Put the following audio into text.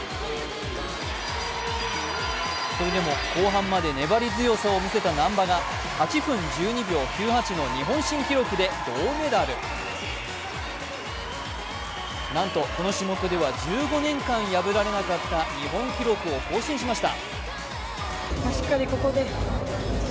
それでも後半まで粘り強さを見せた難波が８分１２秒９８の日本新記録で銅メダルなんとこの種目では１５年間破られなかった日本記録を更新しました。